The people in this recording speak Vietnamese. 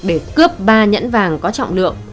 để cướp ba nhẫn vàng có trọng lượng